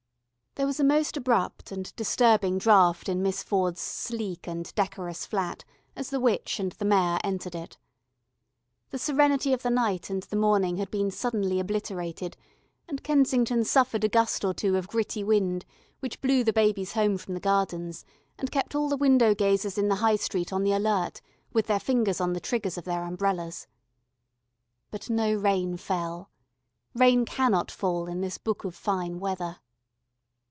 There was a most abrupt and disturbing draught in Miss Ford's sleek and decorous flat as the witch and the Mayor entered it. The serenity of the night and the morning had been suddenly obliterated, and Kensington suffered a gust or two of gritty wind which blew the babies home from the Gardens, and kept all the window gazers in the High Street on the alert with their fingers on the triggers of their umbrellas. But no rain fell. Rain cannot fall in this book of fine weather.